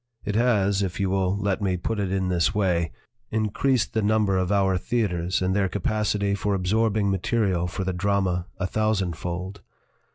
It has, if you will let me put it in this way, increased the number of our theaters in their capacity for absorbing material for the drama a thousandfold.